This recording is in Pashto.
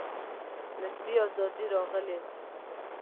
نسبي آزادي راغلې وه.